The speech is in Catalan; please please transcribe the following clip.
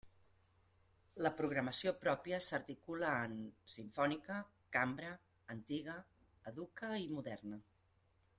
La programació pròpia s'articula en: simfònica, cambra, antiga, educa i moderna.